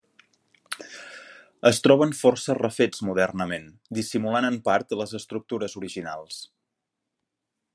Es troben força refets modernament, dissimulant en part les estructures originals.